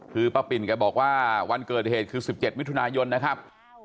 คือป้าปิ่นแกบอกว่าวันเกิดเหตุคือ๑๗มิถุนายนนะครับ